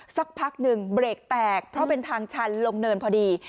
สักพักหนึ่งเบรกแตกเพราะเป็นทางชันลงเนินพอดี